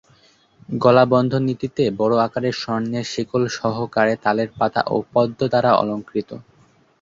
গলাবন্ধনীটিতে বড় আকারের স্বর্ণের শেকল সহকারে তালের পাতা ও পদ্ম দ্বারা অলংকৃত।